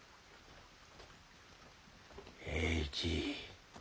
栄一。